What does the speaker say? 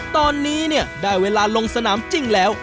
ตอนนี้เนี่ยได้เวลาลงสนามจริงแล้ว